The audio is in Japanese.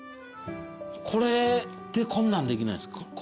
これってこんなんできないっすか？